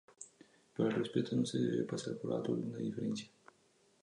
Pero al respecto no se debe pasar por alto una diferencia.